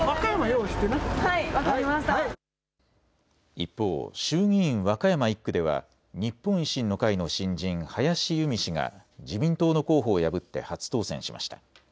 一方、衆議院和歌山１区では日本維新の会の新人、林佑美氏が自民党の候補を破って初当選しました。